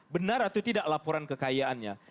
benar atau tidak laporan kekayaannya